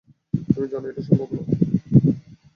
তুমি জানো এটা সম্ভব না।